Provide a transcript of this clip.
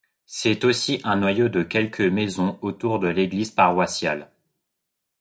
C'est aussi un noyau de quelques maisons autour de l'église paroissiale.